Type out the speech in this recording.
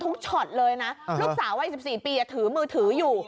ลูกสาววัย๑๔ปีอะถือมือถืออยู่